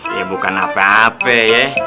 ya bukan apa apa ya